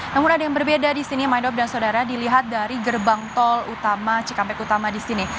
namun ada yang berbeda di sini midop dan saudara dilihat dari gerbang tol utama cikampek utama di sini